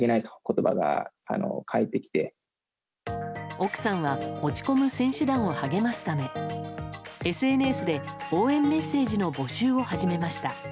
奥さんは落ち込む選手団を励ますためＳＮＳで応援メッセージの募集を始めました。